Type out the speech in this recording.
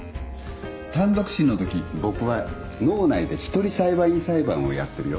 単独審のとき僕は脳内で一人裁判員裁判をやってるよ。